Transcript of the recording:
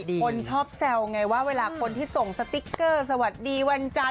ปกติคนชอบแซวไงเวลาคนที่ส่งสติกเกอร์สวัสดีวันแจน